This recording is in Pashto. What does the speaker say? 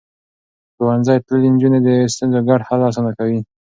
ښوونځی تللې نجونې د ستونزو ګډ حل اسانه کوي.